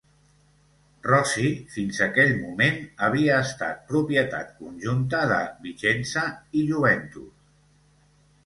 Rossi fins aquell moment havia estat propietat conjunta de Vicenza i Juventus.